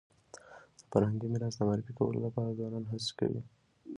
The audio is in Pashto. د فرهنګي میراث د معرفي کولو لپاره ځوانان هڅي کوي.